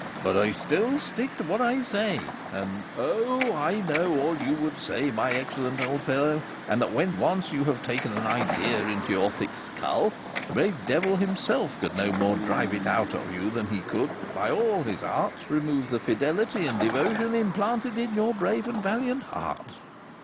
But I still stick to what I say, and " "Oh! I know all you would say, my excellent old fellow, and that when once you have taken an idea into your thick skull, the very devil himself could no more drive it out of you than he could, by all his arts, remove the fidelity and devotion implanted in your brave and valiant heart."